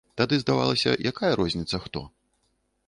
Тады здавалася, якая розніца хто?